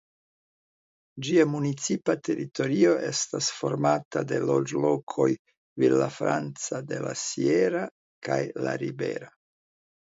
Ĝia municipa teritorio estas formata de loĝlokoj Villafranca de la Sierra kaj La Ribera.